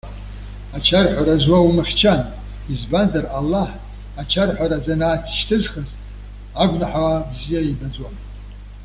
Ачарҳәара зуа умыхьчан. Избанзар Аллаҳ, ачарҳәара занааҭс ишьҭызхыз агәнаҳауаа бзиа ибаӡом.